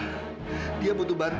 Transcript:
terima kasih afrit